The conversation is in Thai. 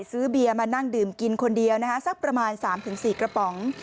ซื้อเบียร์มานั่งดื่มกินคนเดียวสักประมาณ๓๔กระป๋อง